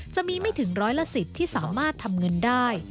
จะมีไม่ถึงร้อยละ๑๐ที่สามารถทำเงินได้